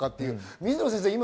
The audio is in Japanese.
水野先生